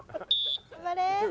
頑張れ。